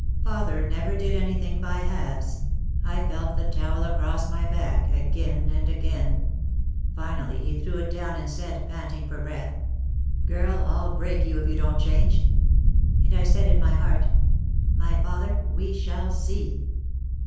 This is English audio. Father never did anything by halves. I felt the towel across my back again and again. Finally he threw it down and said, panting for breath, "Girl, I'll break you if you don't change." And I said in my heart, "My father, we shall see